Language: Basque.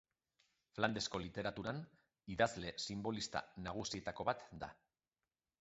Flandesko literaturan idazle sinbolista nagusietako bat da.